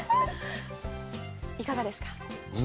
いかがですか。